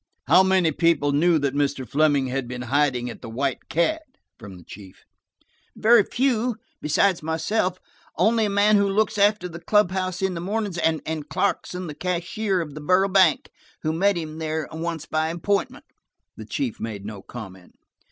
"How many people knew that Mr. Fleming had been hiding at the White Cat?" from the chief. "Very few–besides myself, only a man who looks after the club house in the mornings, and Clarkson, the cashier of the Borough Bank, who met him there once by appointment." The chief made no comment.